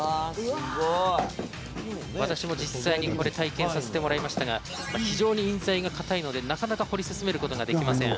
私も実際に、これ体験させてもらいましたが非常に印材が硬いので、なかなか彫り進めることができません。